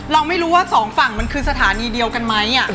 เราไม่รู้ว่าสองฝั่งมันคือสถานีเดียวกันไหม